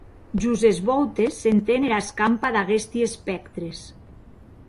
Jos es vòutes s’enten era escampa d’aguesti espèctres.